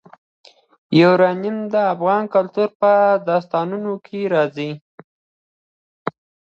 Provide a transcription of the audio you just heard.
یورانیم د افغان کلتور په داستانونو کې راځي.